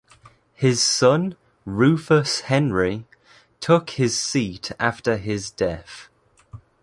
His son, Rufus Henry, took his seat after his death.